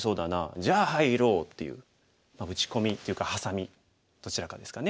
じゃあ入ろう」っていう打ち込みっていうかハサミどちらかですかね。